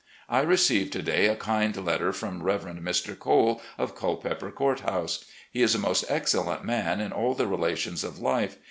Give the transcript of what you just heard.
I received to day a kind letter from Reverend Mr. Cole, of Culpeper Court House. He is a most excellent man in all the relations of life.